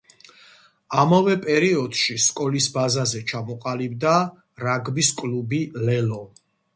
ამავე პერიოდში, სკოლის ბაზაზე ჩამოყალიბდა რაგბის კლუბი ლელო.